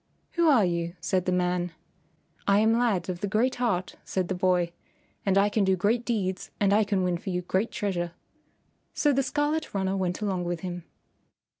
"Who are you?" said the man. "I am Lad of the Great Heart," said the boy, "and I can do great deeds and I can win for you great treasure." So the Scarlet Runner went along with him.